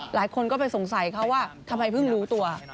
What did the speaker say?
หลายคนก็ไปสงสัยเขาว่าทำไมเพิ่งรู้ตัว